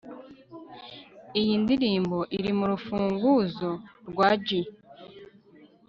Iyi ndirimbo iri murufunguzo rwa G